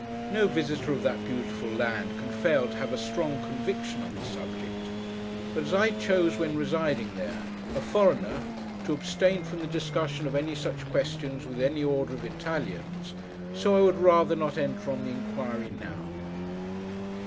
No visitor of that beautiful land can fail to have a strong conviction on the subject; but as I chose when residing there, a Foreigner, to abstain from the discussion of any such questions with any order of Italians, so I would rather not enter on the inquiry now.